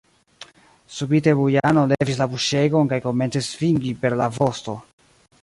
Subite Bujano levis la buŝegon kaj komencis svingi per la vosto.